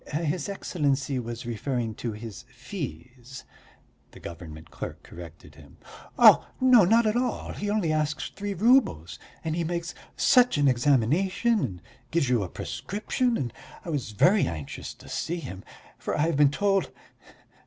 "His Excellency was referring to his fees," the government clerk corrected him. "Oh, not at all, he only asks three roubles, and he makes such an examination, and gives you a prescription ... and I was very anxious to see him, for I have been told....